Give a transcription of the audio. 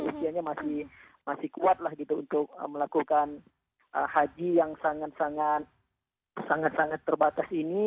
usianya masih kuat lah gitu untuk melakukan haji yang sangat sangat terbatas ini